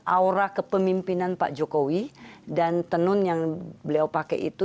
aura kepemimpinan pak jokowi dan tenun yang beliau pakai itu